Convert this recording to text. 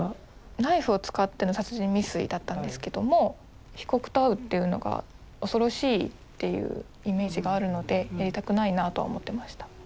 ナイフを使っての殺人未遂だったんですけども被告と会うっていうのが恐ろしいっていうイメージがあるのでやりたくないなとは思ってました。